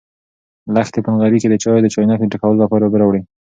لښتې په نغري کې د چایو د چاینک د ډکولو لپاره اوبه راوړې.